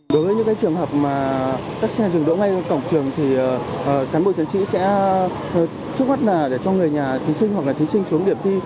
đối với những trường hợp mà các xe dừng đỗ ngay cổng trường thì cán bộ chiến sĩ sẽ trước mắt là để cho người nhà thí sinh hoặc là thí sinh xuống điểm thi